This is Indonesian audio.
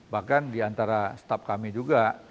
bahkan diantara staff kami juga